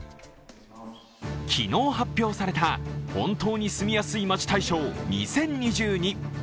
昨日発表された本当に住みやすい大賞２０２２年。